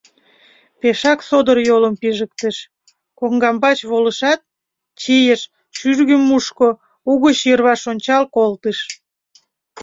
Пешак содор йолым пижыктыш, коҥгамбач волышат, чийыш, шӱргым мушко, угыч йырваш ончал колтыш.